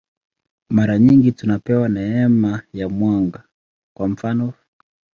Mara nyingi tunapewa neema ya mwanga, kwa mfanof.